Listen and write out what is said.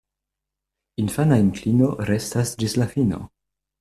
Infana inklino restas ĝis la fino.